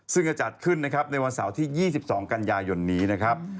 ซึ่งจะจัดขึ้นนะครับในวันเสาร์ที่๒๒กันยายนนี้นะครับ